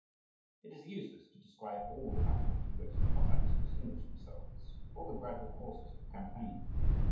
It is useless to describe all the battles in which the Cossacks distinguished themselves, or the gradual courses of the campaign.